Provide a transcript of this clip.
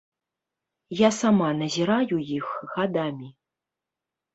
Я сама назіраю іх гадамі.